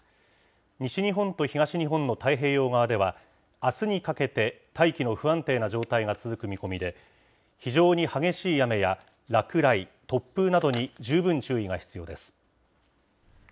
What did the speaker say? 西日本と東日本の太平洋側では、あすにかけて、大気の不安定な状態が続く見込みで、非常に激しい雨や落雷、突風などに十分注意が必要です。